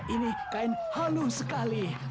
ini kain halus sekali